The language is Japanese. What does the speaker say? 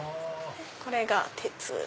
これが鉄。